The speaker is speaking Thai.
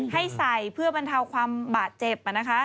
ให้ใส่เพื่อบรรเทาความบาดเจ็บ